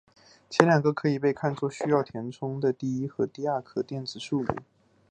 前两个可以被看作是需要分别填充的第一和第二壳的电子数目。